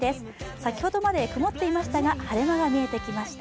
先ほどまで曇っていましたが、晴れ間が見えてきました。